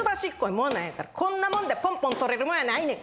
もんなんやからこんなもんでポンポン捕れるもんやないねん。